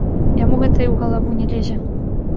Яму гэта і ў галаву не лезе.